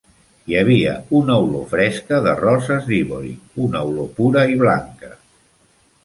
Hi havia una olor fresca de roses d'ivori: una olor pura i blanca.